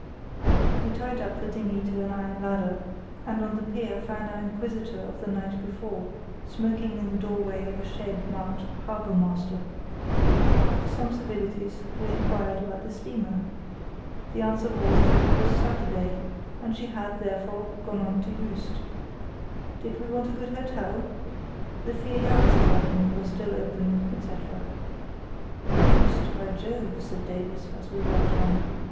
We tied up the dinghy to an iron ladder, and on the pier found our inquisitor of the night before smoking in the doorway of a shed marked "Harbour Master". After some civilities we inquired about the steamer. The answer was that it was Saturday, and she had, therefore, gone on to Juist. Did we want a good hotel? The "Vier Jahreszeiten" was still open, etc. "Juist, by Jove!" said Davies, as we walked on.